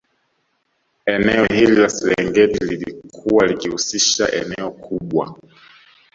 Eneo hili la Serengeti lilikuwa likihusisha eneo kubwa